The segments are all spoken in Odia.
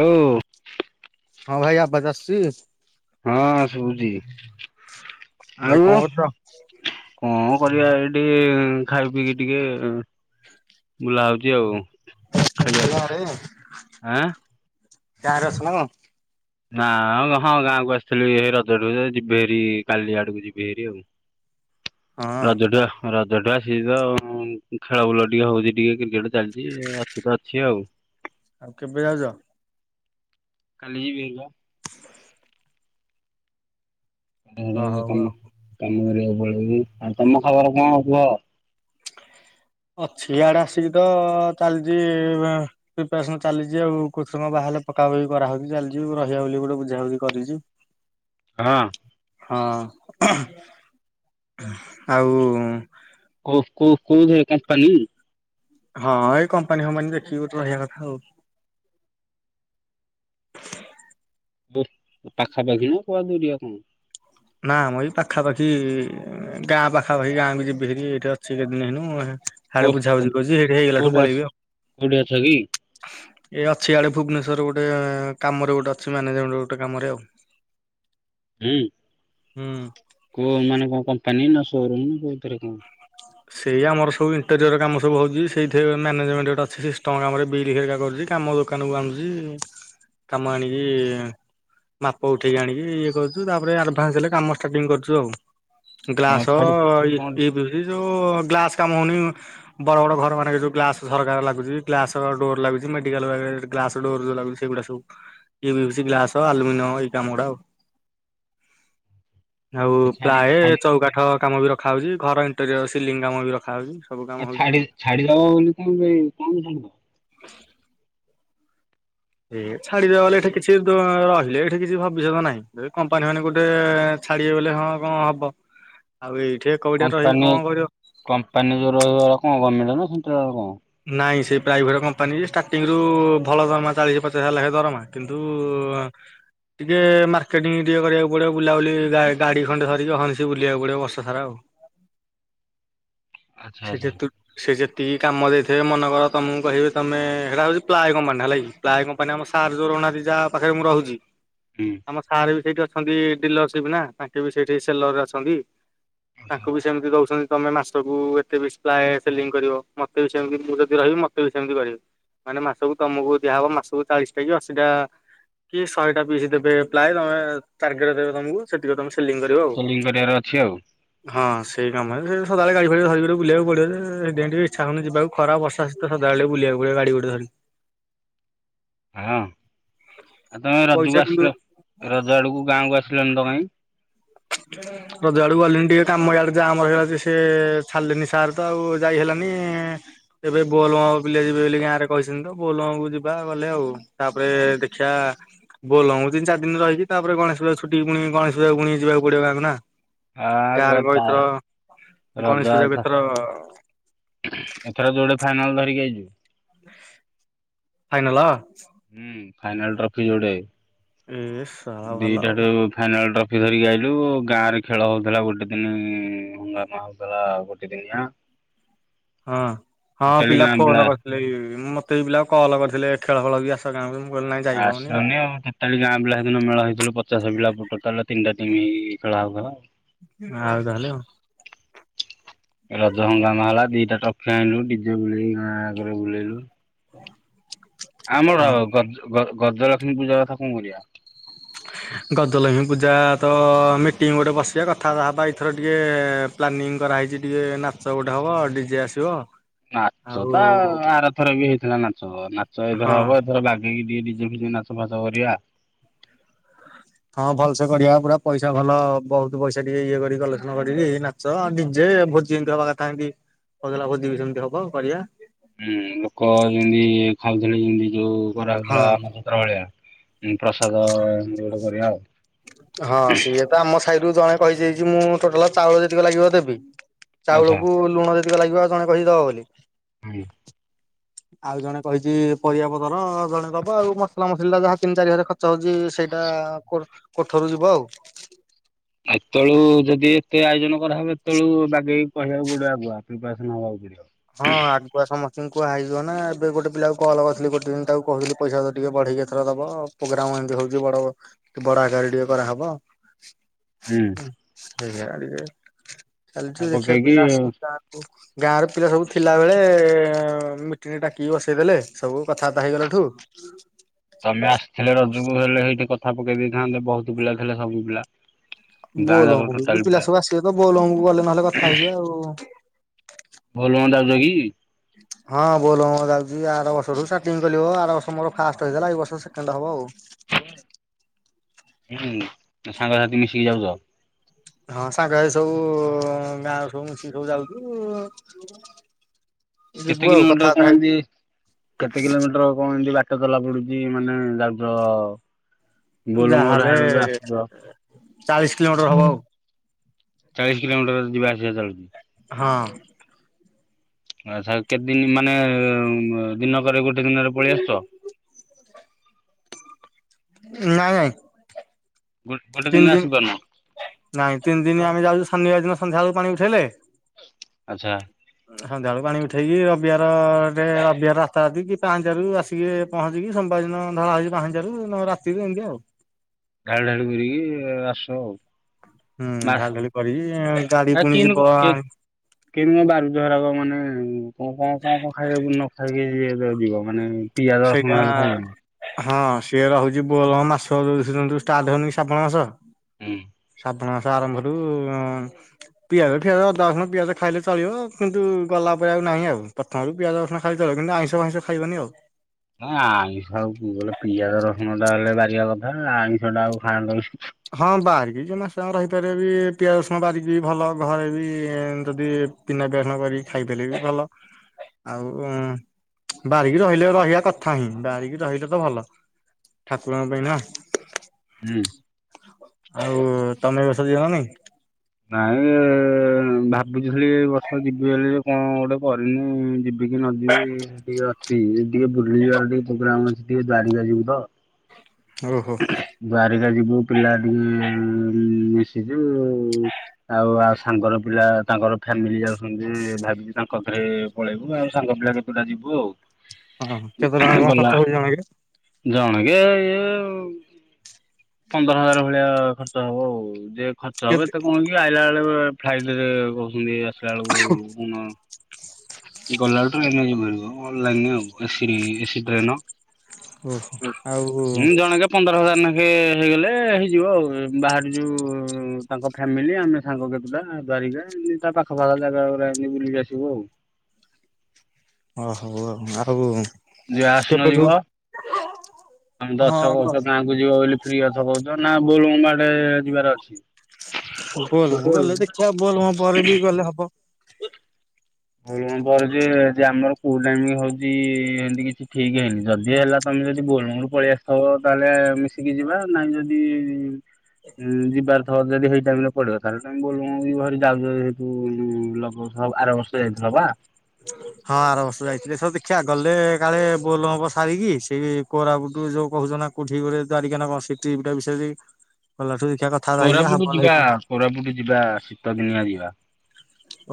ହାଲୋ। ହଁ ଭାଇ ଆବାଜ ଆଶୁଚି? ହଁ ଶୁଭୁଚି। ଭାଇ କଣ କରୁଛ କଣ କରିବା ଏ ଟିକେ ଖାଇ ପିଇକି ଟିକେ ବୁଲା ହଉଚି ଆଉ। ଗାଁ ଖେଳିବା ରେ ଗାଁ ଆଁ ରେ ଅଛ ନା କଣ? ନା ହଁ ଗାଁକୁ ଆସିଥିଲୁ ଏ ରଜଠୁ ଯିବି ହେରି କାଲି ଆଡ଼କୁ ଯିବେ ହେରି ଆଉ। ହଁ ରଜଟା ରଜଟା ସିଏ ତ ଖେଳ ବୁଲ ଟିକେ ହଉଚି ଟିକେ କ୍ରିକେଟ ଚାଲିଚି ଅଛି ତ ଅଛି ଆଉ। ଆଉ କେବେ ଯାଉଚ? କାଲି [unintelligible] ହ ଏଇ ହଉ କାମ ଆଉ କାମ କରିବାକୁ ପଳେଇବି। ଆଉ ତମ ଖବର କଣ କୁହ? ଅଛି ଇଆଡେ ଆସିକି ତ ଚାଲିଚି ପ୍ରିପାରେସନ ଚାଲିଚି ଆଉ କ ସମୟ ବାହିଲ ପକା ପକି କରାହଉକ ଚାଲିଚି ରହିବା ବୋଲି ଗୋଟେ ବୁଝ ବୁଝି କରିଚି। ହଁ। ହଁ। ଆଉ କଫ କଫ କଉଧ କ ପନିର [inaudible] ହଁ ଏଇ କମ୍ପାନୀ ଫମ୍ପାନୀ ଦେଖିବି ଗୋଟେ ରହିଆ କଥା ଆଉ। ପାଖାପାଖି ନା କୁଆଦୁରିଆ କଣ। ନା ଆମ ବି ପାଖାପାଖି ଗାଁ ପାଖାପାଖି ଗାଁ ବି ଯିବି ହେ ଏଇଠି ଅଛିଦିନ ହେନୁ। ସିଆଡେ ବୁଝାବୁଝି କରୁଛି ସେଇଠି ହେଇଗଲା ଠୁ କୋଉଠି ଅଛ ପଳେଇବି ଆଉ। କୋଉଠି ଅଛ କି? ଏ ଅଛି ଆଆଡେ ଭୁବନେଶ୍ୱର ଗୋଟେ କାମରେ ଗୋଟେ ଅଛି ମ୍ୟାନେଜମେଣ୍ଟ ଗୋଟେ କାମରେ ଆଉ। ହୁଁ। ହୁଁ। କୋଉ ମାନେ କଣ କମ୍ପାନୀ ନା ସୋରୁମ୍ ନା କୋଉଥରେ କଣ। ସେଇ ଆମର ସବୁ ଇଣ୍ଟେରିୟର କାମ ସବୁ ହଉଛି, ସେଇଥିରେ ମ୍ୟାନେଜମେଣ୍ଟ ଗୋଟ ଅଛି ସିଷ୍ଟମ କାମରେ ବିଲ୍ ଫେରିକା କରୁଛି କାମ। ଦୋକାନକୁୁ ଆଣୁଛି କାମ ଆଣିକି ମାପ ଉଠେଇକି ଆଣିକି ଇଏ କରୁଛୁ ତାପରେ ଆଡଭାନ୍ସ ହେଲେ କାମ ଷ୍ଟାର୍ଟିଂ କରୁଛୁ ଆଉ। ହଁ ଗ୍ଲାସ ଛାଡି କଣ ଏ ଯୋଉ ଗ୍ଲାସ କାମ ହଉନି। ବଡ ବଡ ଘର ମାନଙ୍କରେ ଯୋଉ ଗ୍ଲାସ ସରକାର ଲାଗୁଛି ଗ୍ଲାସ ଡୋର ଲାଗୁଛି ମେଡିକାଲ। ଗ୍ଲାସ ଡୋରାଗୁଛି ସେଇଗୁଡା ସବୁ ଇଏ ବି ହଉଛି ଗ୍ଲାସ ଆଲୁମିନିମ ଏଇ କାମ ଗୁଡା ଆଉ। [inaudible] ଆଉ ଛାଡି ପ୍ଲାଏ, ଛାଡି ଚଉକାଠ କାମ ବି ରଖାହଉଛି, ଘର ଇଣ୍ଟରିର ସିଲିଙ୍ଗ କାମ ବି ରଖାହଉଛି। ଆଉ ଛାଛାଡିଦବ ବୋଲି ତ କ ଛାଦବ। ଏ ଛାଡିଦବା ବଲେ ଏଠି କିଛି ରହିଲେ ଏଠି କିଛି ଭବିଷ୍ୟତ ନାହିଁ। କମ୍ପାନୀ ମାନେ ଗୋଟେଛାଡି ବଲେ ହଁ କଣ ହବ? ଆଉ ଏଇଠି ଏକଗୋଡ଼ିଆ ଟା କଁ କରିବ। କମ୍ପାନୀରେ ଯଉ ରହିବ କଣ ଗମେଣ୍ଟ ସେଣ୍ଟାଲ କଣ? ନାଇଁ ସେ ପ୍ରାଇଭେଟ କମ୍ପାନୀ ଯେ ଷ୍ଟାର୍ଟିଂ ରୁ ଭଲ ଦରମା ଚାଳିଶ ପଚାଶ ହଜାର ଲାଖେ ଦରମା। କିନ୍ତୁ, ଟିକେ ମାର୍କେଟିଂ ଟିକେ କରିବାକୁ ପଡିବ ବୁଲାବୁଲି ଗା ଗାଡ଼ି ଖଣ୍ଡେ ଧରିକି ହନସ ବୁଲିବାକୁ ପଡ଼ିବ ବର୍ଷା ସାରା ଆଉ। ଆଚ୍ଛା ସେ ଆଚ୍ଛା ଯେ ତୁ ସେ ଯେତିକି କାମ ଦେଇଥିବେ ମନେ କର ତମକୁ କହିବେ ତମେ ସେଟା ହଉଛି ପ୍ଲାଏ କମ୍ପାନୀ ହେଲା କି। ପ୍ଲାଏ କମ୍ପାନୀ ଆମ ସାର୍ ଯୋ ରନାୀ ଯାହା ପାଖରେ ମୁଁ ରହୁଛି। ହୁଁ। ଆମ ସାର୍ ବି ସେଇଠି ଅଛନ୍ତି ଡିଲରସିପ ନା ତାଙ୍କେ ବି ସେଇଠି ସେଲର ରେ ଅଛନ୍ତି। ତାଙ୍କୁ ବି ସେମିତି ଦଉଛନ୍ତି ତମେ ମାସକୁ ମତେ ବି ପ୍ରାୟ ସେଲିଂ କରିବ, ମତେ ବି ସେମତି ମୁଁ ଯଦି ରହିବି ମତେ ବି ସେମିତି କରିବି। ମାନେ ମାସକୁ ତମକୁ ଦିଆହେବ ମାସକୁ ଚାଳିଶ ଟା କି ଅଶୀ ଟା କି ଶହେଟା ପିସ୍ ଦେବେ ପ୍ଲାଏ ତମେ ଟାରଗେଟ ଦେବେ ତମକୁ। ସେତିକ ତମେ ସେଲିଂ କରିବା ଆଉ। ସେଲିଂ କରିବାର ଅଛି ଆଉ ହଁ, ସେଇ କାମ ସଦାବେଳେ ଗାଡି ଫାଡି ଧରିକି। ବୁଲିବାକୁ ପଡିବ ଯେ ଏ ସେଥିପାଇଁ ଟିକେ ଇଚ୍ଛା ହଉନି ଯିବାକୁ ଖରା, ବର୍ଷା, ଶୀତ ସଦାବେଳେ ଟିକେ ବୁଲିବାକୁ ପଡିବ ଗାଡି ଗୋଟେ ଧରିକି। ହଁ ଆଉ ତମେ ରଜକୁ ପଇସା କିନ୍ତୁ ଆସିଲ ରଜ ଆଡ଼କୁ ଗାଁକୁ ଆସିଲନି ତ କାଇଁ? [inaudible] ତୋ ଦୁଆରକୁ ଗଲିଣିି ଟିକେ କାମାଡକୁ ଯାହା ମର ହେଗଲାଛି ସେ ଛଡିଲେନି ସାର୍ ତ ଆଉ ଯାଇ ହେଲାନି ଏବେ ବୋଲବମ୍ ପିଲା ଯିବେ ବୋଲି ଗାଁରେ କହିଛନ୍ତି ତ ବୋଲମାକୁ ଯିବା ଗଲେ ଆଉ। ତାପରେ ଦେଖିଆ ବୋଲବମ୍ ତିନି ଚାରି ଦିନ ରହିଛିି ତା ପରେ ଗଣେଶ୍ ପୂଜା ଛୁଟି ପୁଣି ଗଣେଶ୍ ପୂଜା ପୁଣି ଯିବାକୁ ପଡିବ ଗାଁ କୁ ନା। ଆ ଗାଁ ଗ ରେ କ ତା ଏଥର ରଜ ଗଣେଶ ପୂଜା ଏଥ କ ଏଥର ଏଥର ଜୋରେ ଫାଇନାଲ୍ ଧରିକି ଆ ଫାଇନାଲ। ହୁଁ ଫାଇନାଲ ଟ୍ରଫି ଯୋଡ଼େ ଏ ଶଳା ଭଲ ଦିଟା ଆଉ ରୁ ଫାଇନାଲ୍ ଟ୍ରଫି ଧରିକି ଆଇଲୁ ଗାଁରେ ଖେଳ ହେଉଥିଲା ଗୋଟେ ଦିନ ହଙ୍ଗାମା ହୋଉଥିଲା ଦି ଦିନିଆ ହଁ ହଁ ଟୋଟାଲି ପିଲା ଗାଁ ଫୋନ୍ କରିଥିଲେ ବି ମତେ ବି ପିଲା କଲ୍ କରିଥିଲେ ଖେଳ ଖେଳ ବି ଆସି ତା ଗାଁ କୁ ମୁ କହିଲି ନାଇଁ ଯାଇ ହଉନି। ଖାଲି ଗାଁ ପିଲା ସେଦିନ ମେଳ ହେଇଥିଲୁ ପଚାଶ ପିଲା ଟୋଟାଲେ ତିନିଟା ଟିମ୍ ଖେଳା ହେଉଥିଲା। ଆଉ ତାହାଲେ ହଉ। ରଜ ହଙ୍ଗାମା ହେଲା ହେଲା ଦିଟା ଟପନେ ଆଣିଲୁ ଡିଜେ ବୁଲେଇକି ଗାଁ ଯାକରେ ବୁଲେଇଲୁ। ହଁ। ଆମର ଗଜ ଗଜଲକ୍ଷ୍ମୀ ପୂଜା କଥା କଣ କରିବା? ଗଜଲକ୍ଷ୍ମୀ ପୂଜା ତ ମିଟିଂ ଗୋଟେ ବସିବା କଥାବାର୍ତ୍ତା ହେବା ଏଥର ଟିକେ ପ୍ଲାନିଂ କରାହେଇଛି ଟିକେ ନାଚ ଗୋଟେ ହବ ଡିଜେ ଆସିବ। ନାଚ ଆଉ ନା ଆରଥର ବି ହେଇଥିଲା ନାଚ ନାଚ ହଁ ଏଥର ହବ ଏଥର ବା ଡି ଡି ଡିଜେ ବଜେଇ ନାଛ ଫାଚ କରିବା। ହଁ ଭଲସେ କରିବା ପୁରା ପଇସା ଭଲ ବହୁତ୍ ପଇସା ଟିକେ ଇଏ କରି କଲେକ୍ସନ କରିକି ନା ଚ ଡିଜେ ଭୋଜି ଯେମତି ହବା କଥା ହେନ୍ତି [unintelligible] ଭୋଜି ବି ସେମତି ହବ କରିବା। ହୁଁ ଲୋକ ଯେମତି ଖାଉଥିଲେ ଯେମତି ଯୋଉ ବରା ହଁ ଫରା [unintelligible] ହୁଁ ପ୍ରସାଦ ସେମିତି ଗୋଟେ କରିବା ଆଉ। ହଁ ସେଇଆ ତ ଆମ ସାହିରୁ ଜଣେ କହି ଦେଇଛି ମୁଁ ଟୋଟାଲ୍ ଚାଉଳ ଯେତିକି ଲାଗିବ ଦେବି। ଆଚ୍ଛା ଚାଉଳକୁ ଲୁଣ ଯେତିକ ଲାଗିବ ଜଣେ କହିଛି ଦବ ବୋଲି। ହୁଁ। ଆଉ ଜଣେ କହିଛି ପରିବା ପତର ଜଣେ ଦବ ଆଉ ମସଲା ମସିଲି ଟା ଯାହା ତିନି ଚାରି ହଜାରେ ଖ ର୍ଚ୍ଚ ହେଉଛି ସେଇଟା କୋ କୋଠରୁ ଯିବ ଆଉ। ଏତେବେଳୁ ଯଦି ଏତେ ଆୟୋଜନ କରାହବ ଏତେବେଳୁ ବାଗେଇକି କହିବାକୁ ପଡିବ ଆଗୁଆ। [unintelligible] ହଁ ଆ ଛୁଆ ସମସ୍ତଙ୍କୁ କୁହା ହେଇଯିବ ନା ଏବେ ଗୋଟେ ପିଲାକୁ କଲ୍ କରିଥିଲି ଗୋଟେ ଦିନ ତାକୁ କହିଲି ପଇସା ତ ଟିକେ ବଢେଇକି ଏଥର ଦବ। ପ୍ରୋଗ୍ରାମ ଏମତି ହଉଛି ବଡ ବଡ ଆକାରରେ ଟିକେ କରାହେବ। ହୁଁ। ସେ ଝାଡ଼ି ରେ କଥା କାଲିଠୁ ଦେଖିବା ପକେଇକି ପିଲା ଆସିନ୍ତା ଗାଁ ରୁ ପିଲା ସବୁ ଥିଲାବେଳେ ମି ମିଟିଙ୍ଗ୍ ଡାକିକି ବସେଇଦେଲେ ସବୁ କଥାବାର୍ତ୍ତା ହେଇଗଲାଠୁ ତମେ ଆସିଥିଲେ ରଜକୁ ହେଲେ ସେଇଠି କଥା ପକେଇ ଦେଇଥାନ୍ତେ ବହୁତ ପିଲା ଥିଲେ ସବୁ ପିଲା। ଗାଁ ବୋଲବମ୍ ଯାକର କୁ ଟୋଟାଲ ବି ପିଲା ସବୁ ଆସିବେ ତ ବୋଲବମ୍ କୁ ଗଲେ ନହେଲେ କଥା ହେଇଯିବା ଆଉ। ବୋଲବମ୍ ଯାଉଛ କି? ହଁ ବୋଲବମ୍ ଯାଉଛି ଆର ବର୍ଷରୁ ଷ୍ଟାଟିଙ୍ଗ୍ କଲିବ ଆର ବର୍ଷ ମୋର୍ ଫାଷ୍ଟ୍ ହେଇଥିଲା ଏଇ ବର୍ଷ ସେକଣ୍ଡ୍ ହବ ଆଉ। ହୁଁ ଆଉ ସାଙ୍ଗସାଥି ମିଶିକି ଯାଉଚ? ହଁ ସାଙ୍ଗ ହେଇକି ସବୁ ଗାଁରୁ ସବୁ ମିସିକି ସବୁ ଯାଉଛୁ। ଯିବୁ କେତେ ଆଉ କିଲୋମିଟର କହୁ କଥାବାର୍ତ୍ତା ହେଇ ନାହାନ୍ତି? କେତେ କିଲୋମିଟର କଣ ଏମତି ବାଟ ଚଲା ପଡୁଛି ମାନେ ଯାଉଚ? ବୋଲବମରୁ ଯାହାହେଲେ ହାଡ଼ରୁ ଆସୁଛ ଚାଳିଶ କିଲୋମିଟର ହବ ଆଉ। ଚାଳିଶ କିଲୋମିଟର ଯିବା ଆସିବା ଚାଲୁଛି। ହଁ। ଆଚ୍ଛା କେତେ ଦିନ ମାନେ ଦିନକରେ ଗୋଟେ ଦିନରେ ପଳେଇ ଆସୁଛ? ନାଇଁ ନାଇଁ। ଗୋଟେ ତିନି ଦିନରେ ଆସିପାରୁନ? ଦିନ ନାଇଁ ତିନି ଦିନ, ଆମେ ଯାଉଛୁ ଶନିବାର ଦିନ ସନ୍ଧ୍ୟାବେଳକୁ ପାଣି ଉଠେଇଲେ। ଆଚ୍ଛା। ସନ୍ଧ୍ୟାବେଳକୁ ପାଣି ଉଠେଇକି ରବିବାର, ରବିବାର ରାତା ରାତି କି ପାହାଁନ୍ତିଆରୁ ଆ ଆସିକି ପହଞ୍ଚିକି ସୋମବାର ଦିନ ଢ଼ଳା ହଉଛି ପାହାଁନ୍ତିଆରୁ, ନହେଲେ ରାତିକୁ ଏମିତି ଆଉ। ଢାଳ ଢ଼ାଳୁ କରିକି ଆସୁ ଆଉ। ହୁଁ ମାସ ଢାଳି ଢୁଳି କରିବି, ଗାଡି ପୁଣି ଯିବ କେମ ବାରୁଜରାଗ ମାନେ କଣ କଣ କଣ କଣ ଖାଇ ନ ଖାଇକିଏବେ ଯିବ ମାନେ ପିଆଜ ରସୁଣ ସେଇଟା ହେଲେ ଖାଇବନି। ହଁ ସିଏ ରହୁଛି ବୋଲବମ୍, ମାସ ଷ୍ଟାର୍ଟ ହଉନି କି ଶ୍ରାବଣ ମାସ। ହୁଁ। ଶ୍ରାବଣ ମାସ ଆରମ୍ଭରୁ ପିଆଜ ଫିଆଜ, ଅଦା, ରସୁଣ, ପିଆଜ ଖାଇଲେ ଚଳିବ, କିନ୍ତୁ ଗଲା ପରେ ଆଉ ନାହିଁ ଆଉ। ଆଳୁ, ପିଆଜ, ରସୁଣ ଖାଇପାର, କିନ୍ତୁ ଆଇଁଷ ଫାଇଁଷ ଖାଇବନି ଆଉ। ନାଇଁ ଆମିଷ ଆଉ [unintelligible] ପିଆଜ ରସୁ ଣଟା ହେଲେ ବାରିବା କଥା, ଆଇଁଷଟା ଆଉ ଖାଆ ହଁ ବାହାରେ କିଛି ମାସ ରହିପାରିଆ ବି ପିଆଜ ରସୁଣ ବାରିକି ବି ଭଲ। ଘରେ ବି ଯଦି ବିନା ପିଆଜ ରସୁଣ କରି ଖାଇପାରିବେ ବି ଭଲ। ଆଉ ବାରିକି ରହିଲେ ରହିବା କଥା ହିଁ, ବାରିକି ରହିଲେ ତ ଭଲ। ଠାକୁରଙ୍କ ପାଇଁ ନା। ହୁଁ। ଆଉ ତମେ ଏବର୍ଷ ଯିବ ନେଇ? ନାଇଁ ଭାବିଥିଲି ଏ ବର୍ଷ ଯିବି ବୋଲି, କଣ ଗୋଟେ କରିନି ଯି [unintelligible] ନଦୀ ଟିକେ ଅଛି ଟିକେ ବୁଲି ଯିବାର ଟିକେ ପ୍ରୋଗ୍ରାମ ଅଛି, ଟିକେ ଦ୍ୱାରିକା ଯିବୁ ତ। ଓ ହୋ। ଦ୍ୱାରିକା ଯିବୁ ପିଲା ଟିକେ ଯିବୁ ଆଉ ଆ ସାଙ୍ଗର ପିଲା ତାଙ୍କର ଫ୍ୟାମିଲି ଯାଉଛନ୍ତି, ଭାବିଛୁ ତାଙ୍କ ସାଙ୍ଗରେ ପଳେଇବୁ ଆଉ ସାଙ୍ଗ ପିଲା କେତୁଟା ଯିବୁ ଆଉ। ହଁ କେତେ ଟଙ୍କା କଣ ଗଲା ଖର୍ଚ୍ଚ ହଉଚି ଜଣକିରେ? ଜଣକେ ଇଏ [unintelligible] ପନ୍ଦର ହଜାର ଭଳିଆ ଖର୍ଚ୍ଚ ହବ ଆଉ। ଯ ଖର୍ଚ୍ଚ ହବ କେତେ ଏତେ କଣ [unintelligible] ଆଇଲା ବେଳକୁ ଫ୍ଲାଇଟରେ କହୁଛନ୍ତି ଆସିଲା ବେଳକୁ କଣ ଗଲା ବେଳକୁ ଟ୍ରେନରେ ଯିବୁ ଭାରି ମ, ଅନଲାଇନ୍ ଆଉ A C A C train ଓହୋ ଆଉ ଉଁ ଜଣେକା ପନ୍ଦର ହଜାର ନେଖେ ହେଇଗଲେ ହେଇଯିବ ଆଉ, ବାହାରିଯିବୁ ତାଙ୍କ ଫ୍ୟାମିଲି, ଆମେ ସାଙ୍ଗ କେତୁଟା ଦ୍ୱାରିକା ତା ପାଖ ପାଖ ଜାଗା ଗୁରା ଏମିତି ବୁଲିକି ଆସିବୁ ଆଉ। ଓ ହଉ ଆଉ। [unintelligible] ଯିବା ଆସୁନ କେବେଠୁ ଯିବା, ତମେ ତ ହଁ ଏବର୍ଷ [unintelligible] ଯିବ ବୋଲି ଫ୍ରି କଥା କହୁଛ ନା, ବୋଲବମ୍ ଆଡେ ଯିବାର ଅଛି? [unintelligible] ଗଲେ ଦେଖିଆ ବୋଲବମ୍ ପରେ ବି ଗଲେ ହବ। [unintelligible] ଯେ ଆମର କୋଉ ଟାଇମ ହଉଛି ସେମତି କିଛି ଠିକ୍ ହେଇନି, ଯଦି ହେଲା ତମେ ଯଦି ବୋଲବମ୍ ରୁ ପଳେଇ ଆସିଥିବ, ତାହେଲେ ମିଶିକି ଯିବା। ନାଇଁ ଯଦି ଉଁ ଯିବାର ଥିବ ଯଦି ହେଇ ଟାଇମରେ ପଡିବ, ତାହେଲେ ତମେ ବୋଲବମ ଯିବ ଭାରି। ଯାଉଛ ଯେହେତୁ [unintelligible] ଆଉ ଖାର ବର୍ଷ ଯାଇଥିଲ ବା? ହଁ, ଆର ବର୍ଷ ଯାଇଥିଲେ ସବୁ ଦେଖିବା ଗଲେ, କାଳେ ବୋଲ ବମ୍ ସାରିକି ସେ କୋରାପୁଟୁ ଯୋଉ କହୁଛ ନା, କୋଠି ଗୋରେ ଦ୍ୱାରିକା ନା କଣ, ସେଠି ବିଷୟରେ ଗଲା ବର୍ଷ ଦେଖିବା କ କୋରାପୁଟ ଯିବା, କୋରାପୁଟ ଯିବା, ଶୀତ ଦିନିଆ ଯିବା।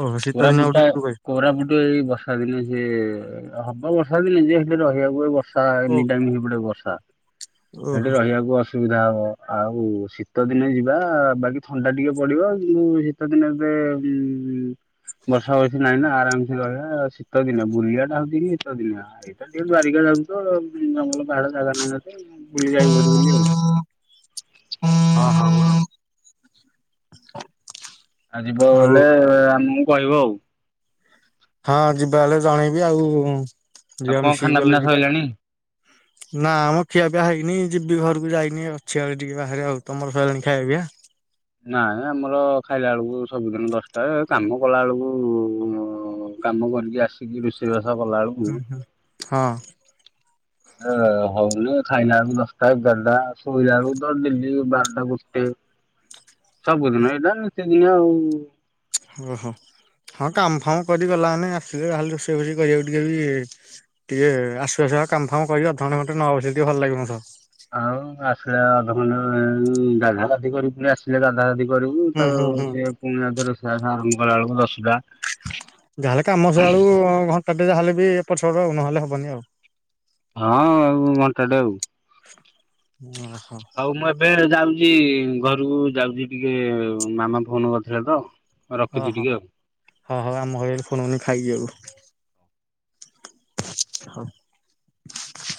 ଓହୋ ଶୀତ ଦିନ କୋରାପୁଟ ଗୋଟେ ଟା ଟୁର୍ କରିବେ କୋରାପୁଟୁ ଏଇ ବ ବର୍ଷା ଦିନେ ସେ-ଏ-ଏ ହବ, ବର୍ଷା ଦିନେ ଯେ ହେଲେ ରହିବାକୁ, ବର୍ଷା ଓ ଏନି ଟାଇମ୍ ହେପଟେ ବର୍ଷା। ଓହୋ ସେଠି ହଁ ରହିବାକୁ ଅସ ସୁବିଧା ହବ ଆଉ, ଶୀତ ଦିନେ ଯିବା, ବାକି ଥଣ୍ଡା ଟିକେ ପଡିବ କି ଶୀତ ଦିନରେ ଉ-ଉ-ଉ। ବର୍ଷା ବର୍ଷି ନାଇଁ ନା, ଆରାମସେ ରହିବା। ଶୀତ ଦିନ ବୁଲିବା ଟା ହଉଛି କିି, ଶୀତ ଦିନିଆ। ଏଇଟା ଟିକେ ଦ୍ୱାରିକା ଯାଉଛି ତ, ଜଙ୍ଗଲ, ପାହାଡ଼, ଜାଗା ନହିଁ ଅଛେ, ବୁଲି ଯାଇ ପାରିବ ବୋଲି ଆଉ। [unintelligible] ଆଉ ଯିବ ବୋଲେ, ଆମକୁ କହିବ ଆଉ। ହଁ, ଯିବା ହେଲେ ଜଣେଇବି ଆଉ, ଆଉ ଯିବା କଣ ମିଶିକି ଖାନା ଗଲେ ପିନା ଯିବା। ସଇଲାଣି? ନା, ମ, ଖିଆ ପିଆ ହେଇନି। ଯିବି, ଘରକୁ ଯାଇନି ଅଛି, ଆହୁରି ଟିକେ ବାହାରେ ଆଉ। ତମର ସଇଲାଣି ଖାଇଆ-ପିଆ? ନାଇଁ, ନାଇଁ ଆମର ଖାଇଲା ବେଳକୁ ସବୁଦିନ ଦଶଟା। କାମ କଲା ବେଳକୁ-ଉ-ଉ-ଉ-ଉ ଉ, କାମ କରିକି ଆସିକି, ରୋଷେଇ ବାସ କଲାବେଳୁ ହଁ। ହଉ, ଯେ ଖାଇଲା ବେଳକୁ ଦଶଟା, ଏଗାରଟା ଶୋଇଲା ବଳକୁ ତ ଡେଲିି ବାରଟା, ଗୋଟେ। ସବୁଦିନ ଏଇଟା, ନୀତିଦିନି ଆଉ। ଓହୋ, ହଁ, କାମ-ଫାମ କରିଗଲା ମାନେ ଆସିଲେ ଯାହେଲେ ରୋଷେଇ-ଫୋଷେଇ କରିବାକୁ ଟିକେ ବି ଟିକେ ଆସୁ ଆସୁକା କାମ-ଫାମ କରିି ଅଧଘଣ୍ଟ, ଘଣ୍ଟେ ନ ବସି ଟିକେ ଭଲ ଲାଗିବନି। ଆଉ ଆସିଲା, ଅଧ ଘଣ୍ଟେ ଗାଧା ଗାଧି କରି ଆସିଲେ, ଗାଧା ଗାଧି କରିବୁ ହୁଁ ତାର ହୁଁ ହୁଁ। ସେ ପୁଣି ଅଧା ରୋଷ-ବାଷ ଆରମ୍ଭ କଲା ବେଳକୁ ଦଶଟା। ଯାହେଲେ କାମ ସଏଆଳୁ ଘଣ୍ଟା ଟେ, ଯାହାେଲେ ବି ଏପଟ ସେପଟ ଆଉ ନହେଲେ ହବନି ଆଉ। ହଁ, ଆଉ ଘଣ୍ଟାଟେ ଆଉ। ଓହୋ। ହଉ, ମୁଁ ଏବେ ଯାଉଛି ଘରକୁ ଯାଉଛି, ଟିକେ ମାମା ଫୋନ କରିଥିଲେ ତ। ରଖୁଛି ଅହ, ଟିକେ ଆଉ। ହ, ହ, ଆମ ଘରେ ଏନୁ ପୁଣି ଖାଇକି ଗଲେ। [unintelligible] [inaudible]